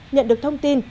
nhận được thông tin